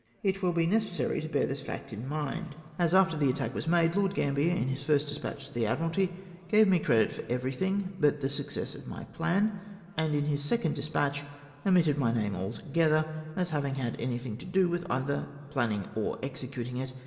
It will be necessary to bear this fact in mind, as after 350 LORD GAMBIER OBTAIXS THE LAURELS, the attack was made, Lord Gambler, in his first des patch to the Admiralty, gave me credit for everj^thing but the success of my plan, and in liis second despatch omitted my name altogether as having had anything to do with either j^ianning or executing it I